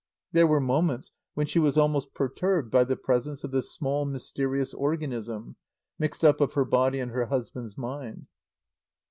There were moments when she was almost perturbed by the presence of this small, mysterious organism, mixed up of her body and her husband's mind.